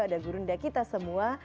ada gurunda kita semua